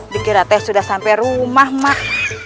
dikira teh sudah sampai rumah mak